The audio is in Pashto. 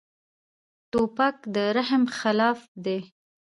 توپک د رحم خلاف دی.